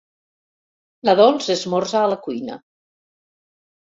La Dols esmorza a la cuina.